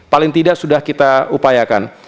paling tidak sudah kita upayakan